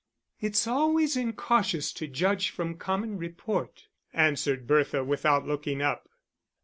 "It's always incautious to judge from common report," answered Bertha, without looking up.